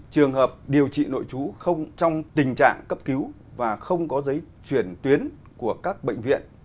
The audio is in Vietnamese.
trường hợp điều trị nội trú không trong tình trạng cấp cứu và không có giấy chuyển tuyến của các bệnh viện